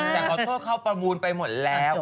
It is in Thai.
แต่ขอโทษเขาประมูลไปหมดแล้ว